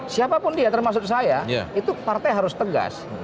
siapapun dia termasuk saya itu partai harus tegas